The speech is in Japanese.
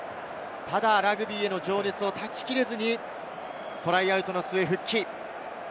ただラグビーへの情熱を断ち切れず、トライアウトの末、復帰。